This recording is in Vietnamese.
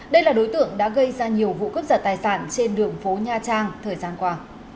đây là đối tượng đã gây ra nhiều vụ cướp giật tài sản trên đường phố nha trang thời gian qua